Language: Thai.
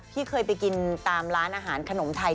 ที่เคยไปกินตามร้านอาหารขนมไทย